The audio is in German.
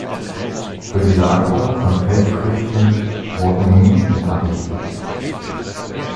Für die Lagerung von Feldfrüchten wurden Mieten errichtet.